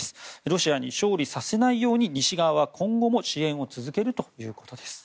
ロシアに勝利させないように西側は今後も支援を続けるということです。